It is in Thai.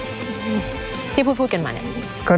ที่พูดเกิดหมานี่